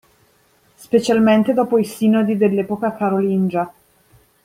Specialmente dopo i sinodi dell'epoca carolingia